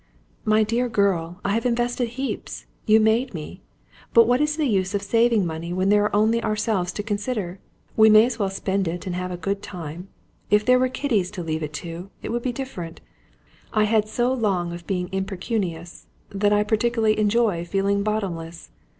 "My dear girl, I have invested heaps! You made me. But what is the use of saving money when there are only ourselves to consider? We may as well spend it, and have a good time. If there were kiddies to leave it to, it would be different. I had so long of being impecunious, that I particularly enjoy feeling bottomless!